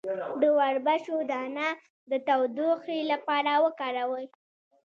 د وربشو دانه د تودوخې لپاره وکاروئ